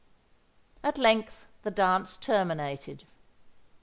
At length the dance terminated.